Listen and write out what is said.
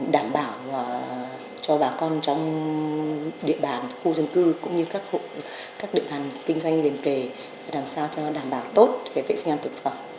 đảm bảo cho bà con trong địa bàn khu dân cư cũng như các địa bàn kinh doanh liên kề để làm sao cho đảm bảo tốt về vệ sinh an toàn thực phẩm